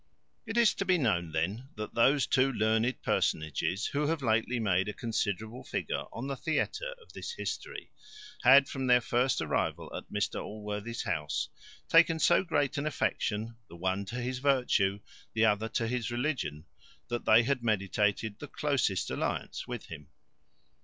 It is to be known then, that those two learned personages, who have lately made a considerable figure on the theatre of this history, had, from their first arrival at Mr Allworthy's house, taken so great an affection, the one to his virtue, the other to his religion, that they had meditated the closest alliance with him.